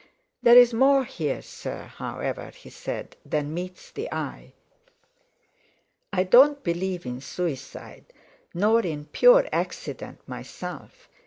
"There's more here, sir, however," he said, "than meets the eye. I don't believe in suicide, nor in pure accident, myself.